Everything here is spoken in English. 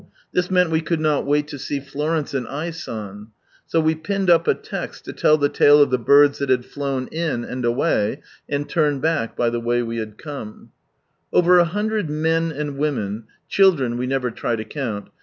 This meant we could not wait to see Florence and I. San. So we pinned up a. text to lell the tale of the birds that had flown in, and away, and turned back by the way we Over a hundred men and women (children we never try to count